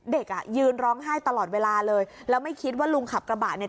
เด็กอ่ะยืนร้องไห้ตลอดเวลาเลยแล้วไม่คิดว่าลุงขับกระบะเนี่ย